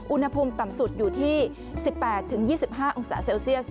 อุณหภูมิต่ำสุดอยู่ที่๑๘๒๕องศาเซลเซียส